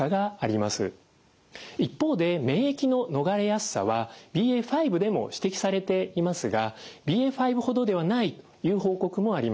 一方で免疫の逃れやすさはＢＡ．５でも指摘されていますがＢＡ．５ほどではないという報告もあります。